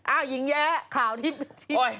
อะไรหญิงแยะครับสิ